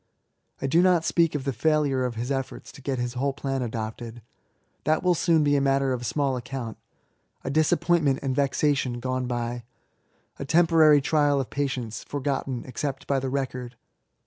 I do not speak of the failure of his efforts to get his whole plan adopted. That will soon be a matter of small account — a disappointment and vexation gone by — a temporary trial of patience, forgotten except by the record.